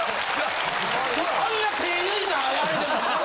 あんな手ぇ抜いたあれでも「うわ！」